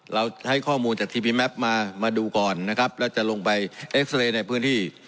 เราให้ข้อมูลจากทีพีแมปมามาดูก่อนนะครับแล้วจะลงไปเอ็กซาเรย์ในพื้นที่